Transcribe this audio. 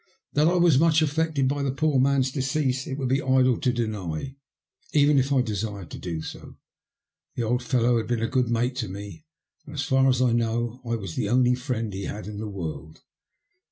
That I was much affected by the poor old man's decease it would be idle to deny, even if I desired to do so. The old fellow had been a good mate to me, and, as far as I knew, I was the only friend he had in the world.